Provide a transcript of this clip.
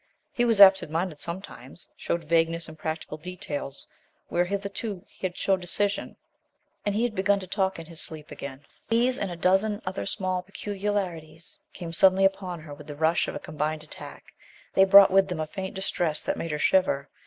He was absent minded sometimes; showed vagueness in practical details where hitherto he showed decision. And he had begun to talk in his sleep again. These and a dozen other small peculiarities came suddenly upon her with the rush of a combined attack. They brought with them a faint distress that made her shiver.